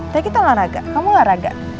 tapi kita olahraga kamu olahraga